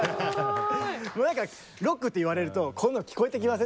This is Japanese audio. なんかロックって言われるとこんなの聞こえてきません？